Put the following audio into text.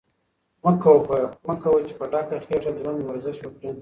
مه کوه چې په ډکه خېټه دروند ورزش وکړې.